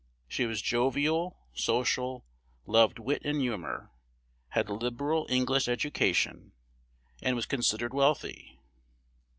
She was jovial, social, loved wit and humor, had a liberal English education, and was considered wealthy.